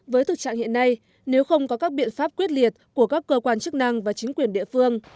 với thực trạng hiện nay nếu không có các biện pháp quyết liệt của các cơ quan chức năng và chính quyền địa phương